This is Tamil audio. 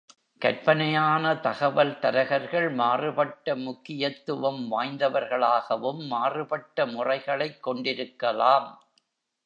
கற்பனையான தகவல் தரகர்கள் மாறுபட்ட முக்கியத்துவம் வாய்ந்தவர்களாகவும் மாறுபட்ட முறைகளைக் கொண்டிருக்கலாம்.